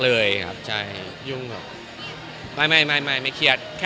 ลกในตัวเอง